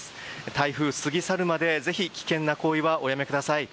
台風が過ぎ去るまでぜひ危険な行為はおやめください。